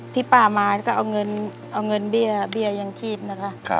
ที่ป้ามาก็เอาเงินเบี้ยยังชีพนะคะ